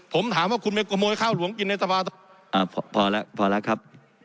ผมถามว่าคุณไปขโมยข้าวหลวงกินในสภาพอแล้วพอแล้วครับ